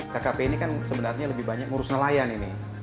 kkp ini kan sebenarnya lebih banyak ngurus nelayan ini